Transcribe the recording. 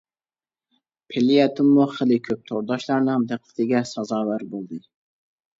فېليەتونمۇ خېلى كۆپ تورداشلارنىڭ دىققىتىگە سازاۋەر بولدى.